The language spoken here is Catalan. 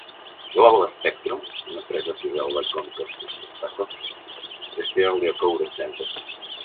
Global Spectrum, una empresa filial de Comcast Spectacor, gestiona el Liacouras Center.